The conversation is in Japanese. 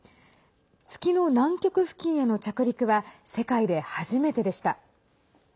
月の南極付近への着陸は世界で初めてでした。